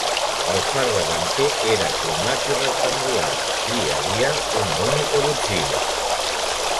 El far davanter era cromat i rectangular i hi havia una única botzina.